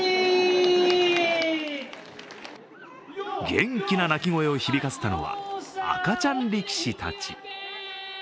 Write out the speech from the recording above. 元気な泣き声を響かせたのは赤ちゃん力士たち。